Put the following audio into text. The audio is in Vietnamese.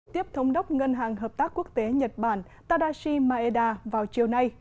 tiếp thống đốc ngân hàng hợp tác quốc tế nhật bản tadashi maeda vào chiều nay